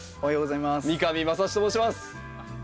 三上真史と申します。